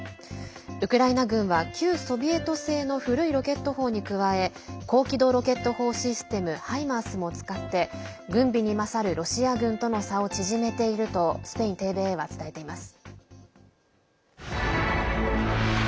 ウクライナ軍は旧ソビエト製の古いロケット砲に加え高機動ロケット砲システム「ハイマース」も使って軍備に勝るロシア軍との差を縮めているとスペインＴＶＥは伝えています。